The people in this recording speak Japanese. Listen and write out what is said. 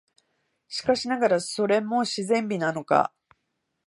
しかしながら、それも自然美なのか、